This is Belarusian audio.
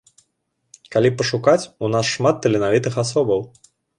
Калі пашукаць, у нас шмат таленавітых асобаў.